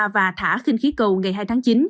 và thả khinh khí cầu ngày hai tháng chín